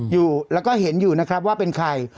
อยู่แล้วก็เห็นอยู่นะครับว่าเป็นใคร